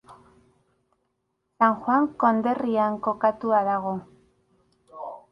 San Juan konderrian kokatua dago.